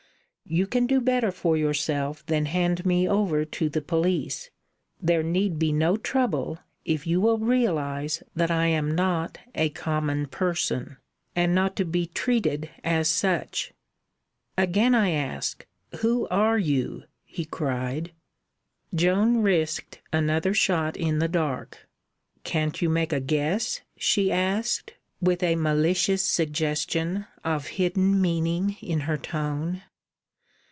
"You can do better for yourself than hand me over to the police. There need be no trouble, if you will realise that I am not a common person, and not to be treated as such." "Again I ask: Who are you?" he cried. Joan risked another shot in the dark. "Can't you make a guess?" she asked, with a malicious suggestion of hidden meaning in her tone.